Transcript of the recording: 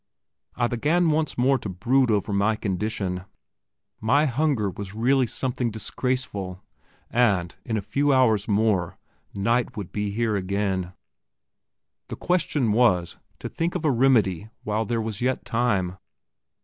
I began once more to brood over my condition. My hunger was really something disgraceful, and, in a few hours more, night would be here again. The question was, to think of a remedy while there was yet time.